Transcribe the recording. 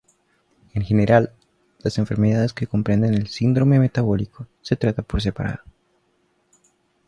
En general, las enfermedades que comprenden el síndrome metabólico se tratan por separado.